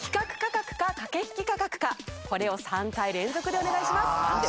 これを３回連続でお願いします。